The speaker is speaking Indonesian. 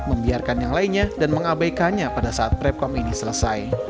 membiarkan yang lainnya dan mengabaikannya pada saat prepkom ini selesai